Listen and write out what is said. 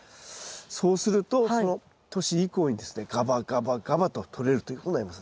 そうするとその年以降にですねガバガバガバととれるということになりますね。